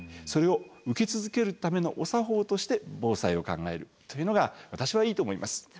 それを受け続けるためのお作法として防災を考えるというのが私はいいと思います。